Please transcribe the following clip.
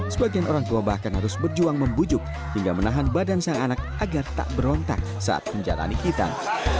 sebagian orang tua bahkan harus berjuang membujuk hingga menahan badan sang anak agar tak berontak saat menjalani hitam